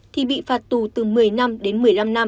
thì bị phạt tù từ một mươi năm đến một mươi năm năm